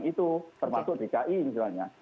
muka anugerah em objetnya